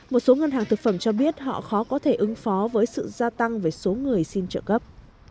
một số ngân hàng thực phẩm cho biết họ khó có thể ứng phó với sự gia tăng về số người xin trợ cấp